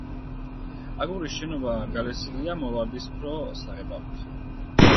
აგურის შენობა გალესილია მოვარდისფრო საღებავით.